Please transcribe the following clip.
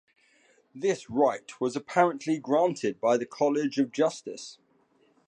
This right was apparently granted by the College of Justice.